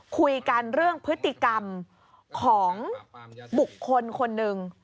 คุยกันเรื่องพฤติกรรมของบุคคลคนหนึ่ง